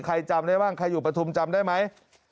จำได้บ้างใครอยู่ปฐุมจำได้ไหม